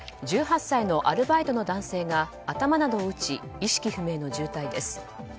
１８歳のアルバイトの男性が頭などを打ち意識不明の重体です。